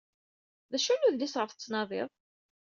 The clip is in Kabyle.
D acu n udlis ɣef tettnadiḍ?